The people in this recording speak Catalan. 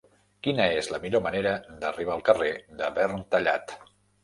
Quina és la millor manera d'arribar al carrer de Verntallat?